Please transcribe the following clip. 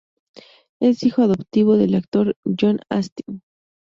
Es hijo adoptivo del actor John Astin.